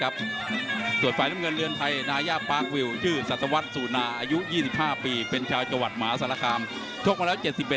อบตโนทองที่จังหวัดไทยยะปูมครับ